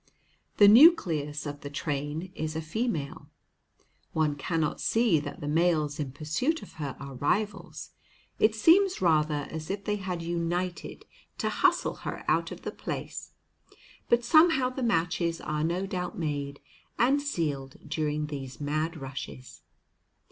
The nucleus of the train is a female. One cannot see that the males in pursuit of her are rivals; it seems rather as if they had united to hustle her out of the place. But somehow the matches are no doubt made and sealed during these mad rushes.